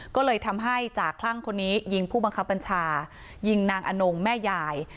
ก็เลยทำให้จ่าคลั่งคนนี้ยิงผู้บังคับบัญชายิงนางอนงแม่ยาย